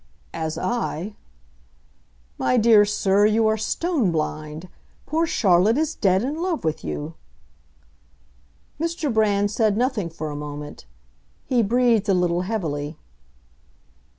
"As I?" "My dear sir, you are stone blind. Poor Charlotte is dead in love with you!" Mr. Brand said nothing for a moment; he breathed a little heavily.